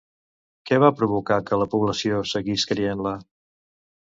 Què va provocar que la població seguís creient-la?